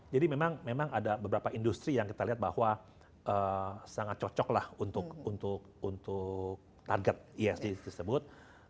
jadi memang ada beberapa industri yang kita lihat bahwa sangat cocok lah untuk target esg tersebut